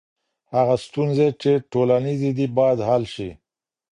هغه ستونزي چي ټولنیزي دي باید حل سي.